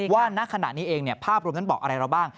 ณขณะนี้เองภาพรวมนั้นบอกอะไรเราบ้าง